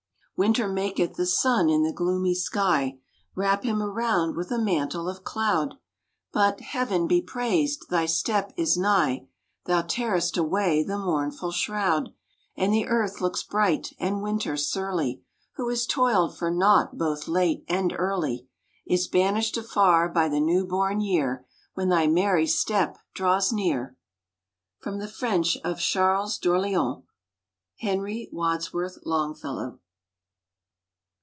Winter maketh the sun in the gloomy sky Wrap him around with a mantle of cloud; But, Heaven be praised, thy step is nigh; Thou tearest away the mournful shroud, And the earth looks bright, and Winter surly, Who has toiled for naught both late and early, Is banished afar by the new born year, When thy merry step draws near. —From the French of Charles D'Orleans, Henry Wadsworth Longfellow.